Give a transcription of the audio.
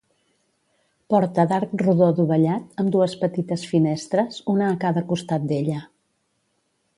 Porta d'arc rodó dovellat, amb dues petites finestres, una a cada costat d'ella.